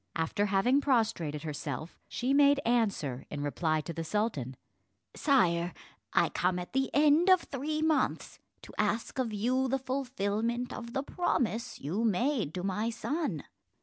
After having prostrated herself, she made answer, in reply to the sultan: "Sire, I come at the end of three months to ask of you the fulfillment of the promise you made to my son."